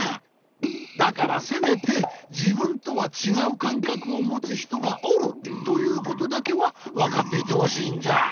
だからせめてじぶんとはちがうかんかくをもつひとがおるということだけはわかっていてほしいんじゃ。